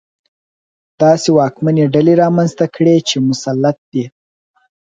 داسې واکمنې ډلې رامنځته کړي چې مسلط دي.